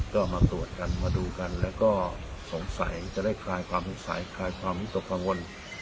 ก็มาตรวจกันมาดูกันแล้วก็สงสัยจะได้คลายความสงสัยคลายความวิตกกังวล